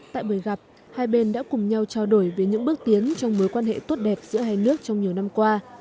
tại buổi gặp hai bên đã cùng nhau trao đổi về những bước tiến trong mối quan hệ tốt đẹp giữa hai nước trong nhiều năm qua